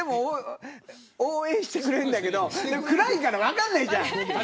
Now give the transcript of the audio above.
応援してくれるんだけど暗いから分かんないじゃん。